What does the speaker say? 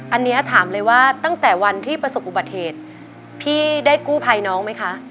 อันนี้ถามเลยว่าตั้งแต่วันที่ประสบอุบัติเหตุพี่ได้กู้ภัยน้องไหมคะ